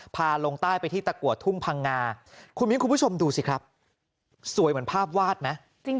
พาลงใต้ไปที่ตะกัวทุ่งพังงาคุณมิ้นคุณผู้ชมดูสิครับสวยเหมือนภาพวาดไหม